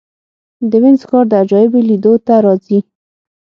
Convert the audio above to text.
د وینز ښار د عجایبو لیدو ته راځي.